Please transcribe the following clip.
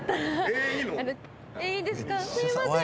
すいません。